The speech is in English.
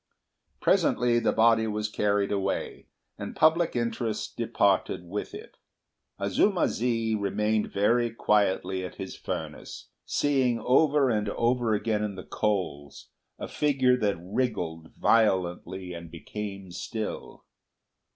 Presently the body was carried away, and public interest departed with it. Azuma zi remained very quietly at his furnace, seeing over and over again in the coals a figure that wriggled violently and became still.